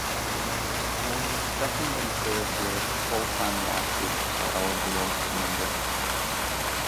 Only second and third year full-time law students are eligible for membership.